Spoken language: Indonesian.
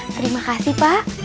terima kasih pak